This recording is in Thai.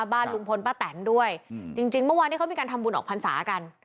บ้านลุงพลป้าแตนด้วยจริงจริงเมื่อวานที่เขามีการทำบุญออกพรรษากัน